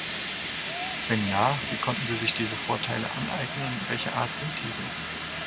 Wenn ja, wie konnten sie sich diese Vorteile aneignen und welcher Art sind diese?